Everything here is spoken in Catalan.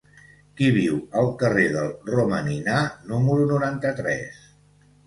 Qui viu al carrer del Romaninar número noranta-tres?